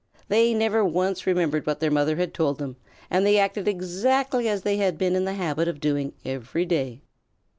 They never once remembered what their mother had told them, and they acted exactly as they had been in the habit of doing every day.